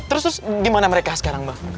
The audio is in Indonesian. terus terus gimana mereka sekarang bang